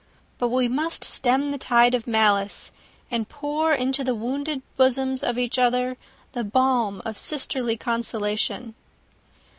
But we must stem the tide of malice, and pour into the wounded bosoms of each other the balm of sisterly consolation."